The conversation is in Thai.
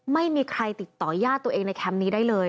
ไม่มีใครติดต่อญาติตัวเองในแคมป์นี้ได้เลย